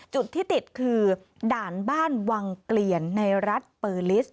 จุดที่ติดคือด่านบ้านวังเกลียนในรัฐเปอร์ลิสต